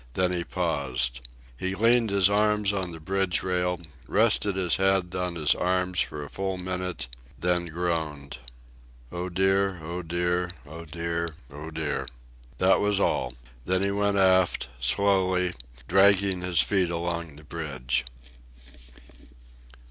Then he paused. He leaned his arms on the bridge rail, rested his head on his arms for a full minute, then groaned: "Oh dear, oh dear, oh dear, oh dear." That was all. Then he went aft, slowly, dragging his feet along the bridge.